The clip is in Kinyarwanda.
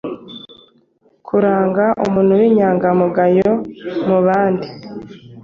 kuranga umuntu w’inyangamugayo mubandi